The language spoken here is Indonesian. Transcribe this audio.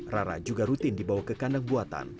rara juga rutin dibawa ke kandang buatan